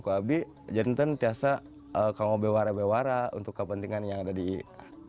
ke abdi jantan tiasa kamu beware beware untuk kepentingan yang ada di adat banten kidul ini ya ya